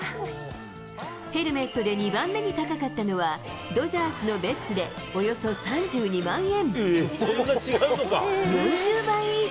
ヘルメットで２番目に高かったのは、ドジャースのベッツでおよそ３２万円。